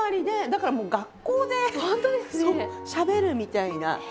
だからもう学校でしゃべるみたいな。